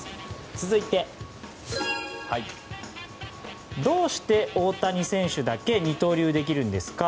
続いて、どうして大谷選手だけ二刀流できるんですか？